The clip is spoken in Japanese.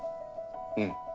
うん。